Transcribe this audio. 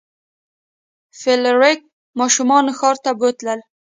فلیریک ماشومان ښار ته بوتلل.